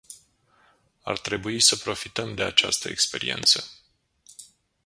Ar trebui să profităm de această experiență.